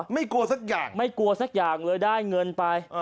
ไม่กลัวสักอย่างไม่กลัวสักอย่างเลยได้เงินไป